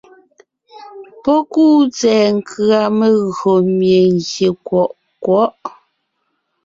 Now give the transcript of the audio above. Pɔ́ kúu tsɛ̀ɛ nkʉ̀a megÿò mie gyè kwɔʼ kwɔ̌ʼ.